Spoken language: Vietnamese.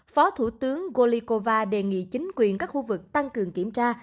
phó thủ tướng golikova đề nghị chính quyền các khu vực tăng cường kiểm tra